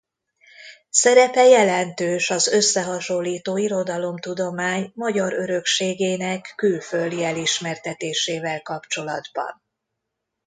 Szerepe jelentős az összehasonlító irodalomtudomány magyar örökségének külföldi elismertetésével kapcsolatban.